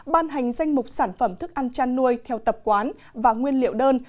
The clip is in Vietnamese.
ban hành danh mục sản phẩm thức ăn chăn nuôi theo tập quán và nguyên liệu đơn